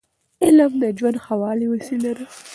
علم د ژوند د ښه والي وسیله ده.